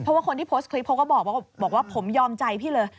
เพราะว่าคนที่โพสต์คลิปเขาก็บอกว่าผมยอมใจพี่เลย